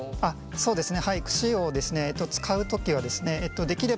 そうですね